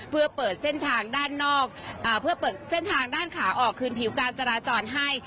เพื่อเปิดเส้นทางด้านนอกเพื่อเปิดเส้นทางด้านขาออกคืนผิวการจราจรให้